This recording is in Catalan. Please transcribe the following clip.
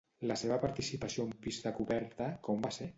La seva participació en pista coberta com va ser?